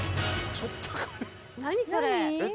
ちょっとこれ何それ？